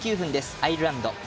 アイルランド。